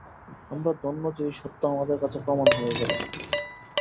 আমরা ধন্য যে এই সত্য আমাদের কাছে প্রমাণ হয়ে গেল।